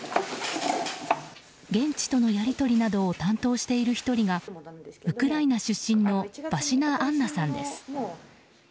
現地とのやり取りなどを担当している１人がウクライナ出身のヴァシナ・アンナさんです。